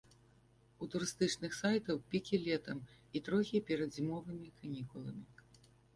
У турыстычных сайтаў пікі летам і трохі перад зімовымі канікуламі.